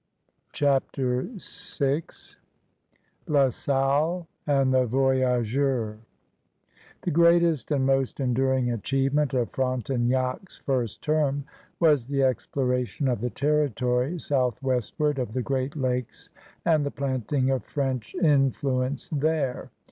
CHAPTER VI LA SALLE AND THE VOYAGEUBS The greatest and most enduring achievement of Frontenac's first term was the exploration of the territory southwestward of the Great Lakes and the planting of French influence there.